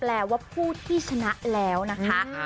แปลว่าผู้ที่ชนะแล้วนะคะ